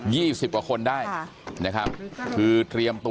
๒๐กว้าคนได้คือเตรียมตัว